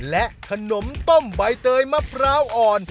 และขนมต้มใบเตยมะพร้าวอ่อน